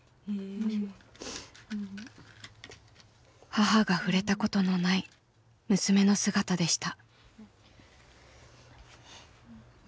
母が触れたことのない娘の姿でした。